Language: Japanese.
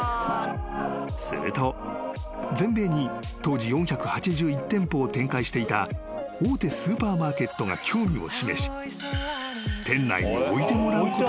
［すると全米に当時４８１店舗を展開していた大手スーパーマーケットが興味を示し］